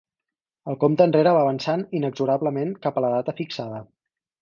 El compte enrere va avançant inexorablement cap a la data fixada.